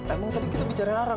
emang tadi kita bicara dengan ara